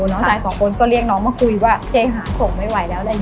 สองคนเรียกน้องมาคุยว่าเจ๊หาส่งไม่ไหวแล้ว